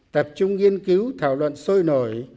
tập trung nghiên cứu thảo luận sôi nổi